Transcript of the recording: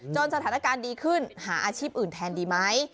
สถานการณ์ดีขึ้นหาอาชีพอื่นแทนดีไหม